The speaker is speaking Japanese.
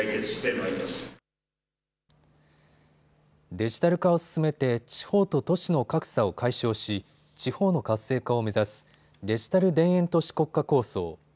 デジタル化を進めて地方と都市の格差を解消し地方の活性化を目指すデジタル田園都市国家構想。